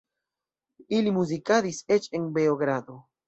Ili muzikadis eĉ en Beogrado.